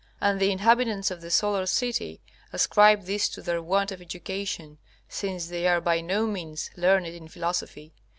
And the inhabitants of the solar city ascribe this to their want of education, since they are by no means learned in philosophy.